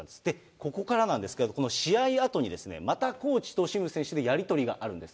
ここからなんですけど、試合後にまたコーチとシム選手でやり取りがあるんです。